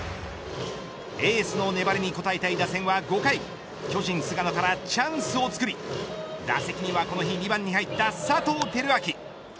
エースの粘りに応えたい打線は５回巨人菅野からチャンスをつくり打席にはこの日２番に入った佐藤輝明。